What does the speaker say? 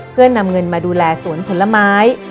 เพื่อนำเงินมาดูแลสวนผลไม้